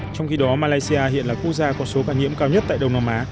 trong khi đó malaysia hiện là quốc gia có số ca nhiễm cao nhất tại đông nam á